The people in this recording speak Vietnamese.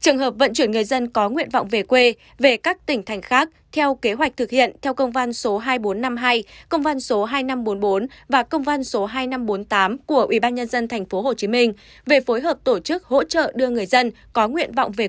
trường hợp vận chuyển người dân có nguyện vọng về quê về các tỉnh thành khác theo kế hoạch thực hiện theo công văn số hai nghìn bốn trăm năm mươi hai công văn số hai nghìn năm trăm bốn mươi bốn và công văn số hai nghìn năm trăm bốn mươi tám của ubnd tp hcm về phối hợp tổ chức hỗ trợ đưa người dân có nguyện vọng về quê